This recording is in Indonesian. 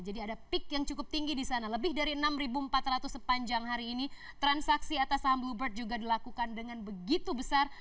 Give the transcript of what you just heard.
jadi ada peak yang cukup tinggi di sana lebih dari enam empat ratus sepanjang hari ini transaksi atas saham bluebird juga dilakukan dengan begitu besar